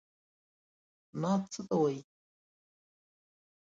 نعت څه ته وايي؟